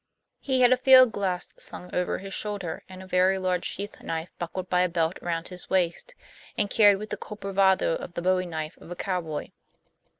He had a field glass slung over his shoulder, and a very large sheath knife buckled by a belt round his waist, and carried with the cool bravado of the bowie knife of a cowboy.